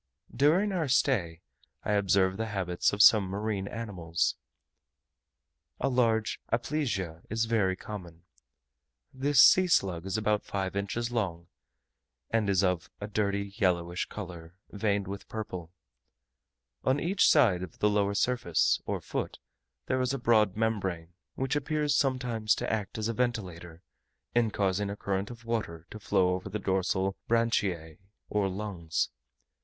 During our stay, I observed the habits of some marine animals. A large Aplysia is very common. This sea slug is about five inches long; and is of a dirty yellowish colour veined with purple. On each side of the lower surface, or foot, there is a broad membrane, which appears sometimes to act as a ventilator, in causing a current of water to flow over the dorsal branchiae or lungs.